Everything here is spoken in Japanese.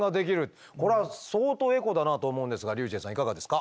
これは相当エコだなと思うんですがｒｙｕｃｈｅｌｌさんいかがですか？